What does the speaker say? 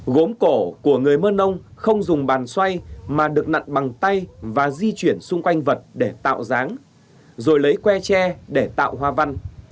gốm cổ của người mơ nông không dùng bàn xoay mà được nặn bằng tay và di chuyển xung quanh vật để tạo dáng rồi lấy que tre để tạo hoa văn